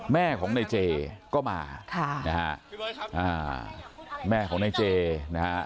แม่ของนายเจ๊ก็มาแม่ของนายเจ๊นะครับ